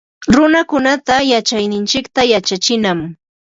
Runakunata yachayninchikta yachachinam